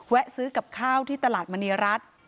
ซื้อกับข้าวที่ตลาดมณีรัฐ